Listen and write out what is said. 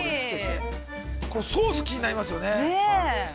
◆このソース気になりますよね。